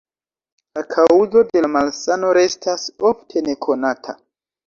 La kaŭzo de la malsano restas ofte nekonata.